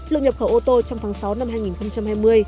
lượng nhập khẩu ô tô trong tháng sáu năm hai nghìn hai mươi